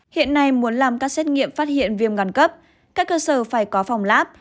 hiện nay muốn làm các xét nghiệm phát hiện viêm gan cấp các cơ sở phải có phòng láp